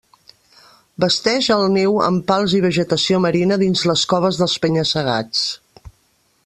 Basteix el niu amb pals i vegetació marina dins les coves dels penya-segats.